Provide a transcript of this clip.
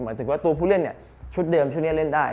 หมายถึงว่าตัวผู้เล่นชุดเดิมชุดนี้เล่นได้